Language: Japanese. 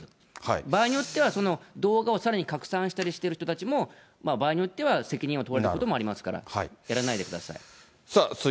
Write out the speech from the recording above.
場合によっては、その動画をさらに拡散したりしている人たちも、場合によっては責任を問われることもありますから、やらないでください。